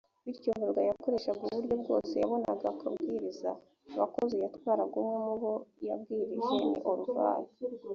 bityo holger yakoreshaga uburyo bwose yabonaga akabwiriza abakozi yatwaraga umwe mu bo yabwirije ni olvar